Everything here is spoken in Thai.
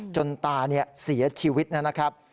จนตาเสียชีวิตนะครับ